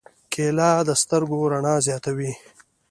کېله د سترګو رڼا زیاتوي.